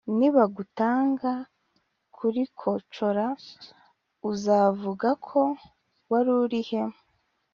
nibagutanga kurikocora uzavuga ko warurihe”